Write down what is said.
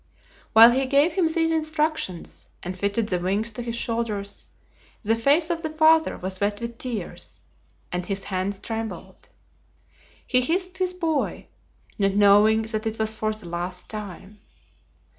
While he gave him these instructions and fitted the wings to his shoulders, the face of the father was wet with tears, and his hands trembled. He kissed the boy, not knowing that it was for the last time.